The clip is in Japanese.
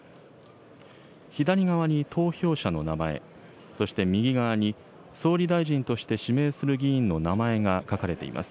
左側に投票者の名前、そして右側に総理大臣として指名する議員の名前が書かれています。